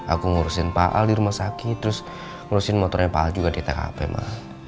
aku ngurusin paal di rumah sakit terus ngurusin motornya paal juga di tkp ma